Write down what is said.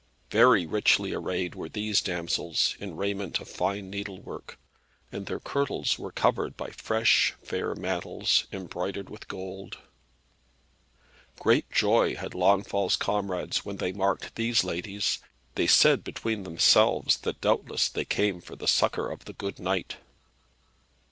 Very richly arrayed were these damsels in raiment of fine needlework, and their kirtles were covered by fresh fair mantles, embroidered with gold. Great joy had Launfal's comrades when they marked these ladies. They said between themselves that doubtless they came for the succour of the good knight.